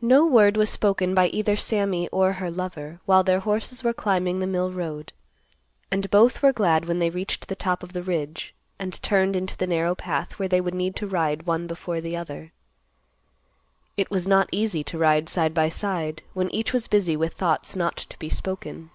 No word was spoken by either Sammy or her lover, while their horses were climbing the mill road, and both were glad when they reached the top of the ridge, and turned into the narrow path where they would need to ride one before the other. It was not easy to ride side by side, when each was busy with thoughts not to be spoken.